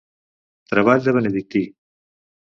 Treball de benedictí.